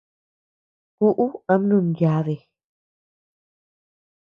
Kúʼu ama nunyadi.